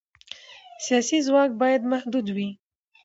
سیاسي ځواک باید محدود وي